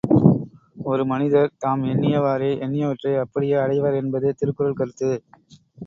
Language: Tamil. ஒரு மனிதர் தாம் எண்ணியவாறே எண்ணியவற்றை அப்படியே அடைவர் என்பது திருக்குறள் கருத்து.